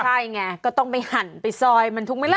ใช่ไงก็ต้องไปหั่นไปซอยมันถูกไหมล่ะ